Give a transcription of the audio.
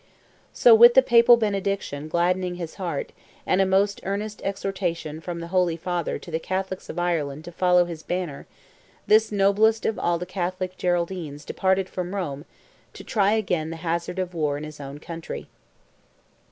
So with the Papal benediction gladdening his heart, and a most earnest exhortation from the Holy Father to the Catholics of Ireland to follow his banner, this noblest of all the Catholic Geraldines departed from Rome, to try again the hazard of war in his own country.